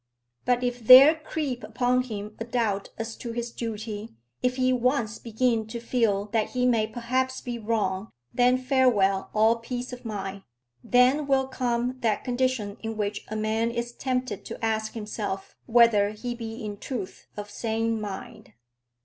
But if there creep upon him a doubt as to his duty, if he once begin to feel that he may perhaps be wrong, then farewell all peace of mind, then will come that condition in which a man is tempted to ask himself whether he be in truth of sane mind.